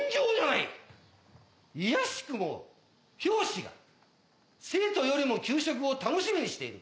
いやしくも教師が生徒よりも給食を楽しみにしている。